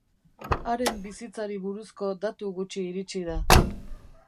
Haren bizitzari buruzko datu gutxi iritsi da.